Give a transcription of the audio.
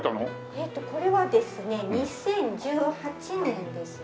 えっとこれはですね２０１８年ですね。